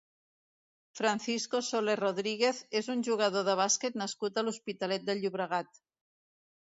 Francisco Solé Rodríguez és un jugador de bàsquet nascut a l'Hospitalet de Llobregat.